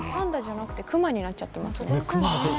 パンダじゃなくてクマになっちゃってますね。